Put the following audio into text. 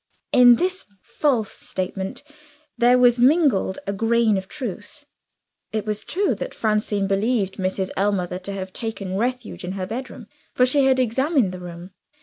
In this false statement there was mingled a grain of truth. It was true that Francine believed Mrs. Ellmother to have taken refuge in her room for she had examined the room.